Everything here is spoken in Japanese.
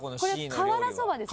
瓦そばです。